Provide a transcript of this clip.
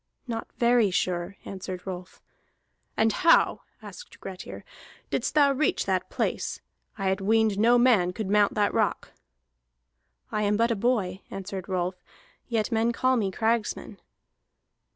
"Not very sure," answered Rolf. "And how," asked Grettir, "didst thou reach that place? I had weened no man could mount that rock." "I am but a boy," answered Rolf, "yet men call me Cragsman."